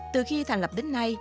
từ khi thành lập đến nay